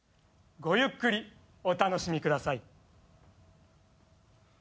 ごゆっくりお楽しみください。